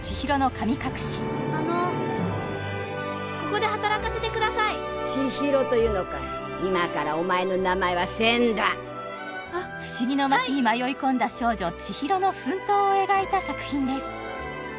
あのここで働かせてください千尋というのかい今からお前の名前は千だ不思議の町に迷い込んだ少女・千尋の奮闘を描いた作品です